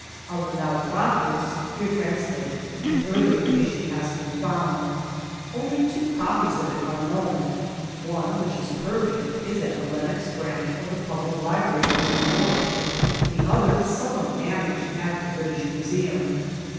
Of the Naufragios here translated an earlier issue has been foundr. Only two copies of it are known : One, which is per fect, is at the Lenox branch of the Public Library of New York ; the other, somewhat damaged, at the British Museum.